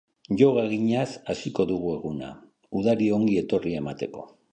Yoga eginaz hasiko dugu eguna, udari ongi etorria emateko.